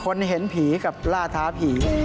เห็นผีกับล่าท้าผี